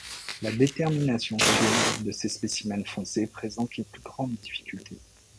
La détermination sûre de ces spécimens foncés présente les plus grandes difficultés.